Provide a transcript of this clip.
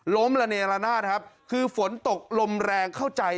ล้มระเนลนาดคือฝนตกลมแรงเข้าใจ